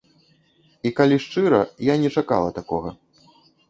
І калі шчыра, я не чакала такога.